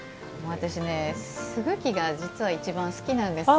私、すぐきが実は一番、好きなんですよ。